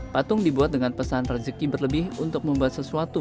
patung dibuat dengan pesan rezeki berlebih untuk membuat sesuatu